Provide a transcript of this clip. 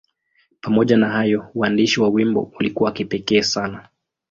Pamoja na hayo, uandishi wa wimbo ulikuwa wa kipekee sana.